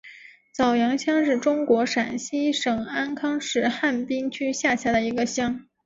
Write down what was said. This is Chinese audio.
早阳乡是中国陕西省安康市汉滨区下辖的一个乡。